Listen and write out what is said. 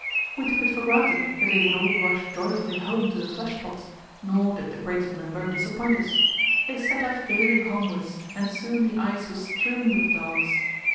We took it for granted that they would all rush joyfully home to the flesh pots, nor did the greater number disappoint us. They set off gaily homewards, and soon the ice was strewn with dogs.